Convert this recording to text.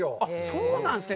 そうなんですね。